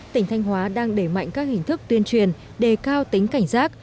tỉnh thanh hóa đang đẩy mạnh các hình thức tuyên truyền đề cao tính cảnh giác